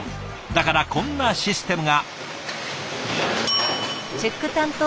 だからこんなシステムが。